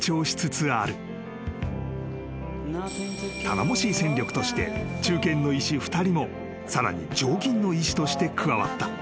［頼もしい戦力として中堅の医師２人もさらに常勤の医師として加わった］